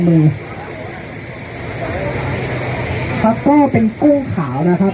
สวัสดีครับทุกคนวันนี้เกิดขึ้นทุกวันนี้นะครับ